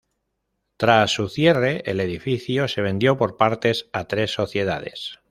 Tras su cierre el edificio se vendió por partes a tres sociedades.